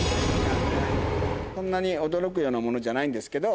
そんなに驚くようなものじゃないんですけど。